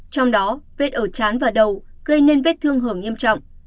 trong đó vết ở chán và đầu gây nên vết thương hưởng nghiêm trọng